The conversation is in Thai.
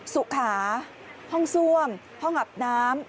สุขาห้องซ่วมห้องอาบน้ำ